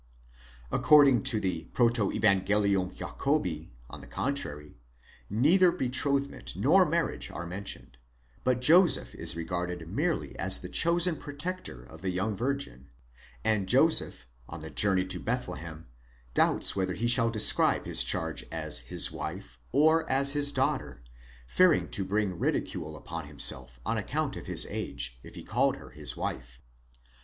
According to the Profevang. Jacobi, on the contrary, neither betrothment nor marriage are mentioned, but Joseph is regarded merely as the chosen protector of the young virgin,' and Joseph on the journey to Bethlehem doubts whether he shall describe his charge as his wife or as his daughter ; fearing to bring ridicule upon himself, on account of his age, if he called her his wife.